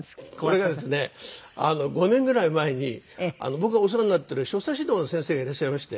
これがですね５年ぐらい前に僕がお世話になっている所作指導の先生がいらっしゃいまして。